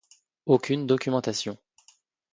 Aucune documentation.